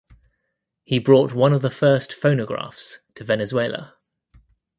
He brought one of the first phonographs to Venezuela.